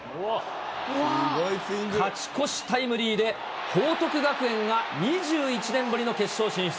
勝ち越しタイムリーで、報徳学園が２１年ぶりの決勝進出。